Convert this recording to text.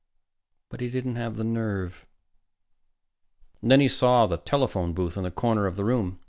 But he didn't have the nerve. And then he saw the telephone booth in the corner of the room.